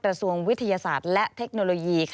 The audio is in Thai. กระทรวงวิทยาศาสตร์และเทคโนโลยี